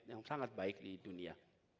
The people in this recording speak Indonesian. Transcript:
yang sangat baik di dunia